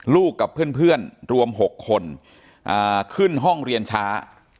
กับเพื่อนรวม๖คนขึ้นห้องเรียนช้า